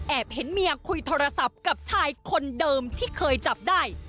เห็นเมียคุยโทรศัพท์กับชายคนเดิมที่เคยจับได้